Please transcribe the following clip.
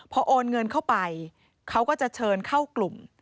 พอโอนเงินเข้าไปเขาก็จะเชิญเข้ากลุ่ม